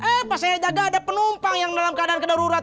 eh pas saya jaga ada penumpang yang dalam keadaan kedaruratan